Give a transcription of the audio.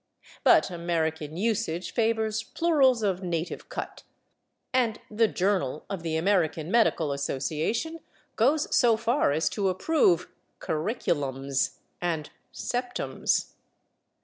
But American usage favors plurals of native cut, and the /Journal/ of the American Medical Association goes so far as to approve /curriculums/ and /septums